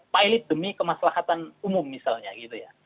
pilot demi kemaslahatan umum misalnya gitu ya